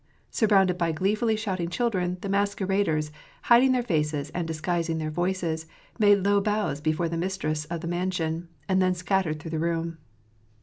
Surrounded by gleefully shouting children, the masqueraders, hiding their faces and disguising their voiceSy made low bows before the mistress of the mansion, and then scattered through the room.